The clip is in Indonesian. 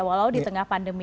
walau di tengah pandemi